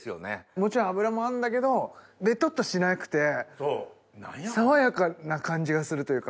もちろん脂もあるんだけどべとっとしなくて爽やかな感じがするというか。